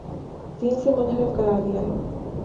دین سے منحرف قرار دیا ہے